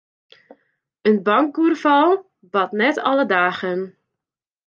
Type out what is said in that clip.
In bankoerfal bart net alle dagen.